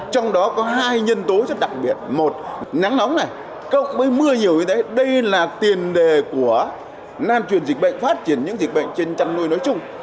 trong đó có hai nhân tố rất đặc biệt một nắng nóng này cộng với mưa nhiều như thế đây là tiền đề của lan truyền dịch bệnh phát triển những dịch bệnh trên chăn nuôi nói chung